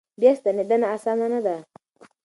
بیا ستنېدنه اسانه نه ده.